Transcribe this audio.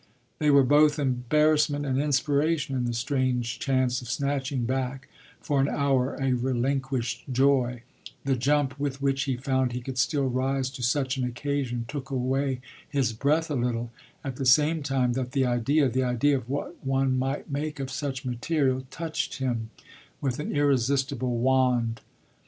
There were both embarrassment and inspiration in the strange chance of snatching back for an hour a relinquished joy: the jump with which he found he could still rise to such an occasion took away his breath a little, at the same time that the idea the idea of what one might make of such material touched him with an irresistible wand.